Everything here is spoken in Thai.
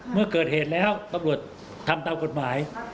เมื่อเกิดเหตุแล้วตำรวจทำตามกฎหมาย